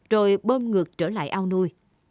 rồi bơm ngược trở lại ao nuôi